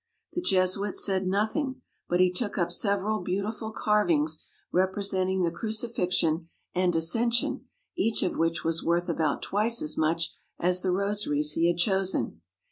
The Jesuit said nothing, but he took up several beautiful carvings representing the Crucifixion and Ascension, each of which was worth about twice as much as the rosaries he had chosen.